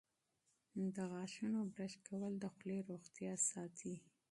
د غاښونو برس کول د خولې روغتیا ساتي.